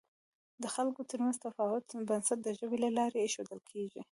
د خلکو تر منځ د تفاهم بنسټ د ژبې له لارې اېښودل کېږي.